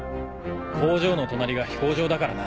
工場の隣が飛行場だからな。